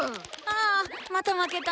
あまた負けた。